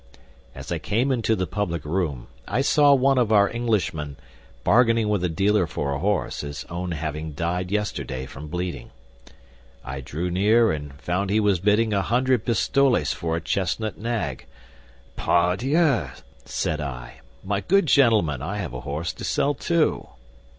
As I came into the public room, I saw one of our Englishman bargaining with a dealer for a horse, his own having died yesterday from bleeding. I drew near, and found he was bidding a hundred pistoles for a chestnut nag. 'Pardieu,' said I, 'my good gentleman, I have a horse to sell, too.